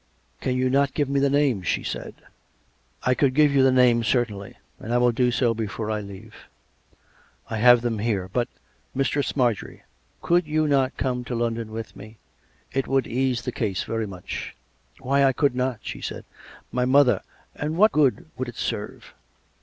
" Can you not give me the names ?" she said. " I could give you the names, certainly. And I will do so before I leave; I have them here. But — Mistress Mar jorie, could you not come to London with me? It would ease the case very much." " Why, I could not," she said. " My mother And what good would it serve